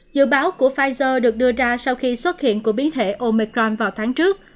dự báo của pfizer được đưa ra sau khi xuất hiện của biến thể omecron vào tháng trước